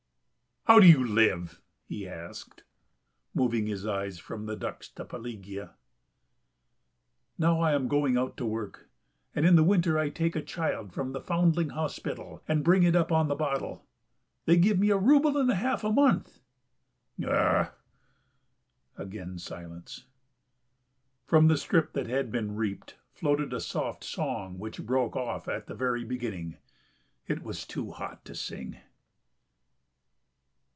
"How do you live?" he asked, moving his eyes from the ducks to Pelagea. "Now I am going out to work, and in the winter I take a child from the Foundling Hospital and bring it up on the bottle. They give me a rouble and a half a month." "Oh...." Again a silence. From the strip that had been reaped floated a soft song which broke off at the very beginning. It was too hot to sing.